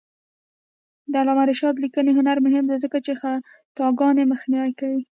د علامه رشاد لیکنی هنر مهم دی ځکه چې خطاګانې مخنیوی کوي.